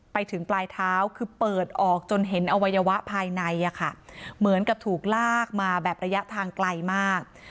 ไปถึงปลายเท้าคือเปิดออกจนเห็นอวัยวะภายในอะค่ะเหมือนกับถูกลากมาแบบระยะทางไกลมาก